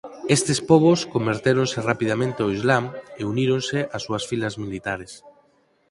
Estes pobos convertéronse rapidamente ao Islam e uníronse ás súas filas militares.